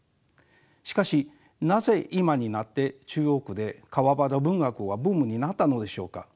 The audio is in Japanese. しかしなぜ今になって中国で川端文学がブームになったのでしょうか。